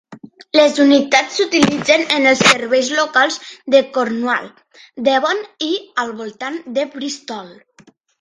Les unitats s'utilitzen en els serveis locals de Cornwall, Devon, i al voltant de Bristol.